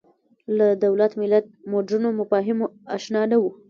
له دولت ملت مډرنو مفاهیمو اشنا نه وو